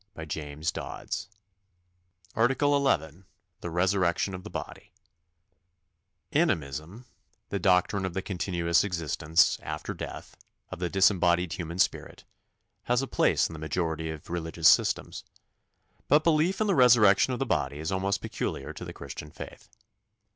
" ARTICLE 11 The Resurrection of the Body ANIMISM the doctrine of the continuous existence, after death, of the disembodied human spirit has a place in the majority of religious systems; but belief in the resurrection of the body is almost peculiar to the Christian faith.